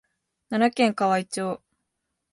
奈良県河合町